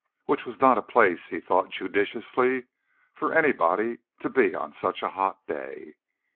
Which was not a place, he thought judiciously, for anybody to be on such a hot day.